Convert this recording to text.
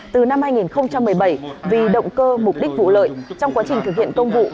từ năm hai nghìn một mươi bảy vì động cơ mục đích vụ lợi trong quá trình thực hiện công vụ